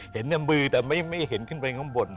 เห็นแต่มือแต่ไม่เห็นขึ้นไปข้างบน